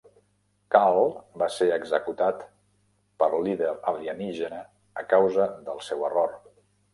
Carl va ser executat pel líder alienígena a causa del seu error.